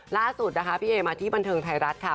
ล่าสุดนะคะพี่เอมาที่บันเทิงไทยรัฐค่ะ